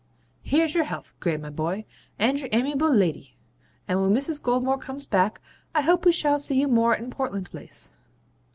Here's your health, Gray my boy, and your amiable lady; and when Mrs. Goldmore comes back, I hope we shall see you more in Portland Place.'